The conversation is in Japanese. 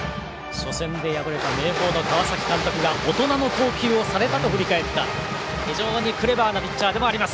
初戦で敗れた明豊の川崎監督が大人の投球をされたと振り返った非常にクレバーなピッチャーでもあります。